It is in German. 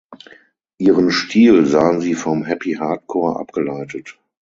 Ihren Stil sahen sie vom Happy Hardcore abgeleitet.